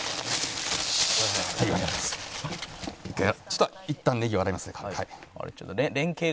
ちょっといったんネギを洗いますね。